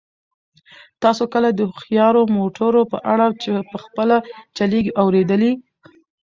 تاسو کله د هوښیارو موټرو په اړه چې په خپله چلیږي اورېدلي؟